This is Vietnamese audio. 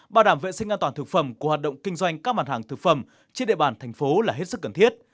bảo đảm vệ sinh an toàn thực phẩm của hoạt động kinh doanh các mặt hàng thực phẩm trên địa bàn thành phố là hết sức cần thiết